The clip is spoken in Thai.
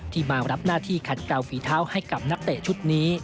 มารับหน้าที่ขัดกล่าวฝีเท้าให้กับนักเตะชุดนี้